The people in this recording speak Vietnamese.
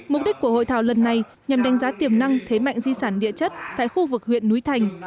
mục đích của hội thảo lần này nhằm đánh giá tiềm năng thế mạnh di sản địa chất tại khu vực huyện núi thành